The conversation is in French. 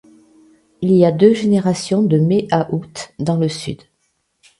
Il y a deux générations de mai à août dans le sud.